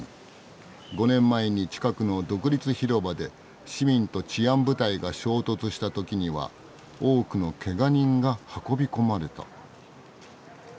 ５年前に近くの独立広場で市民と治安部隊が衝突した時には多くのけが人が運び込まれた」。